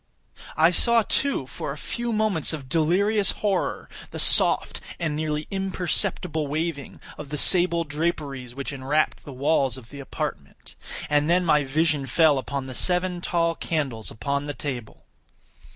I saw, too, for a few moments of delirious horror, the soft and nearly imperceptible waving of the sable draperies which enwrapped the walls of the apartment. And then my vision fell upon the seven tall candles upon the table.